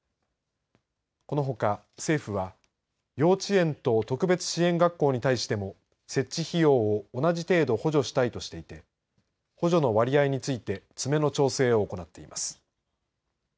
このほか、政府は幼稚園と特別支援学校に対しても設置費用を同じ程度補助したいとしていて補助の割合について詰めの調整を行っています。